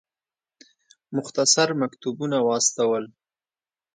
مختصر مکتوبونه واستول.